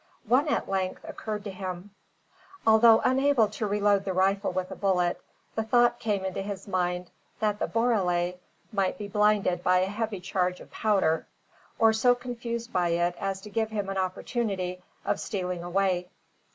One at length occurred to him. Although unable to reload the rifle with a bullet, the thought came into his mind, that the borele might be blinded by a heavy charge of powder, or so confused by it as to give him an opportunity of stealing away.